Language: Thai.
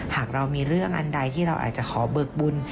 หากเรามีเรื่องอันใดที่เราอาจจะขอเบิกบุญ